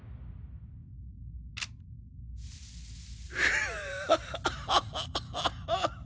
フハハハハ。